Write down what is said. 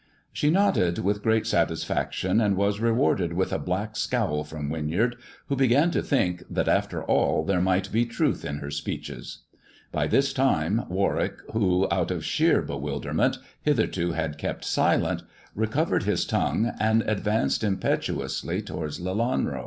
She nodded with great satisfaction, and was rewarded with a black scowl from Winyard, who began to think that, after all, there might be truth in her speeches. By this time Warwick, who, out of sheer bewilderment, hitherto had 154 THE dwarf's chamber kept silent, recovered his tongue, and advanced impetuously towards Lelanro.